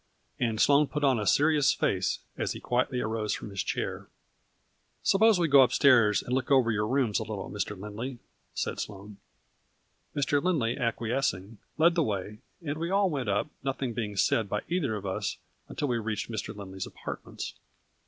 And Sloane put on a serious face, as he quietly arose from his chair. 28 A FLURRY IN DIAMONDS. " Suppose we go up stairs and look over your rooms a little, Mr. Lindley," said Sloane. Mr. Lindley acquiescing, led the way, and we all went up, nothing being said by either of us until we reached Mr. Lindley's apartments.